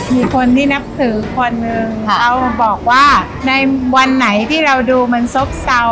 มีคนที่นับถือคนหนึ่งเขาบอกว่าในวันไหนที่เราดูมันซบเศร้า